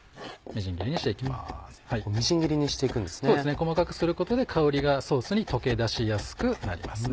細かくすることで香りがソースに溶け出しやすくなりますね。